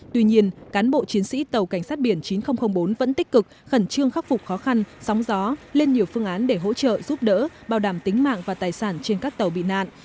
tuy nhiên cán bộ chiến sĩ tàu cảnh sát biển chín nghìn bốn vẫn tích cực khẩn trương khắc phục khó khăn sóng gió lên nhiều phương án để hỗ trợ giúp đỡ bảo đảm tính mạng và tài sản trên các tàu bị nạn